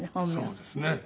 そうですね。